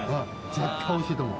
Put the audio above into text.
絶対おいしいと思う。